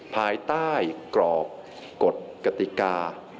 ภายใต้กรอบกฎกติกา